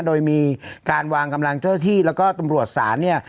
โดยมีการวางกำลังเจ้าที่แล้วก็ตำรวจศาลเนี่ย